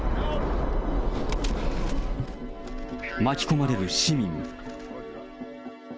巻き込まれる市民。